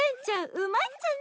うまいっちゃね。